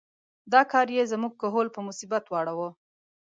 دا کار یې زموږ کهول په مصیبت واړاوه.